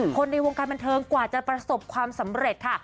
ในวงการบันเทิงกว่าจะประสบความสำเร็จค่ะ